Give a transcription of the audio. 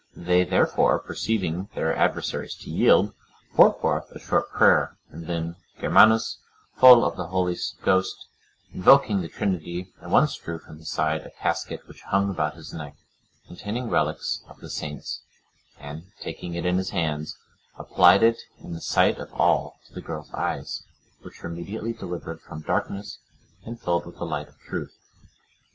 They, therefore, perceiving their adversaries to yield, poured forth a short prayer, and then Germanus, full of the Holy Ghost, invoking the Trinity, at once drew from his side a casket which hung about his neck, containing relics of the saints, and, taking it in his hands, applied it in the sight of all to the girl's eyes, which were immediately delivered from darkness and filled with the light of truth.